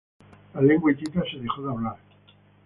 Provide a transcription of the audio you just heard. La lengua hitita se dejó de hablar.